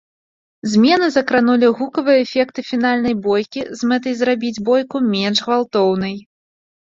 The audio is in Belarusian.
Змены закранулі гукавыя эфекты фінальнай бойкі з мэтай зрабіць бойку менш гвалтоўнай.